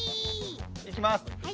いきます。